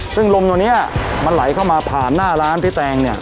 ซึ่งลมตัวนี้มันไหลเข้ามาผ่านหน้าร้านพี่แตงเนี่ย